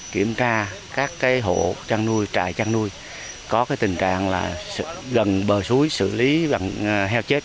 kiểm tra các hộ chăn nuôi trại chăn nuôi có tình trạng gần bờ suối xử lý heo chết